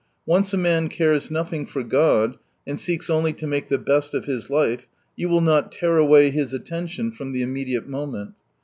Once a man cares nothing for God, and seeks only to make the best of his life, you will not tear away his attention from the immediate moment.